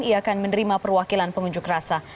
ia akan menerima perwakilan pengunjuk rasa